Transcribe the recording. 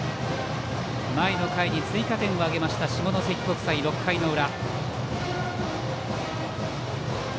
前の回に追加点を挙げました下関国際、６回の裏。